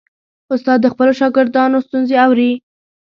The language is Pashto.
استاد د خپلو شاګردانو ستونزې اوري.